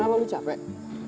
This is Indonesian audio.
kenapa lu capek